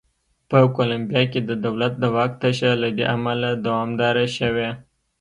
په کولمبیا کې د دولت د واک تشه له دې امله دوامداره شوې.